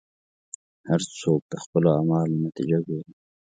هر څوک د خپلو اعمالو نتیجه ګوري.